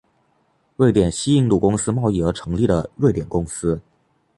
瑞典西印度公司贸易而成立的瑞典公司。